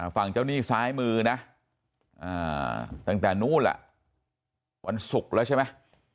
ฝั่งเจ้าหนี้ซ้ายมือนะตั้งแต่นู้นแหละวันศุกร์แล้วใช่ไหม